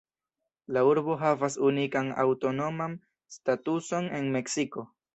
La urbo havas unikan aŭtonoman statuson en Meksiko.